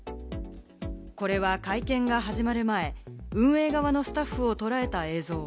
これは会見が始まる前、運営側のスタッフを捉えた映像。